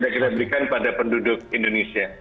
kita berikan pada penduduk indonesia